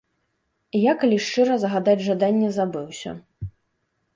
Я, калі шчыра, загадаць жаданне забыўся.